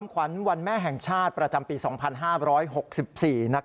คำขวัญวันแม่แห่งชาติประจำปีสองพันห้าร้อยหกสิบสี่